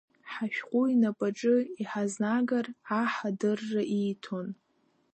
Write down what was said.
Ҳашәҟәы инапаҿы иҳазнагар, аҳ адырра ииҭон.